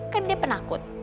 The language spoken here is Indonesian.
kan dia penakut